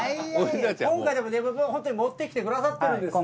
今回でもホントに持ってきてくださってるんですって。